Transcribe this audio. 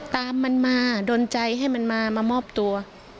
ตามมันมาดนใจให้มันมามามอบตัว